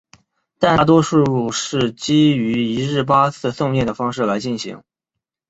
但大多是基于一日八次诵念的方式来进行。